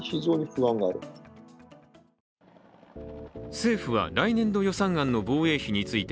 政府は来年度予算案の防衛費について